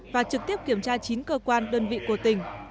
và trực tiếp kiểm tra chín cơ quan đơn vị của tỉnh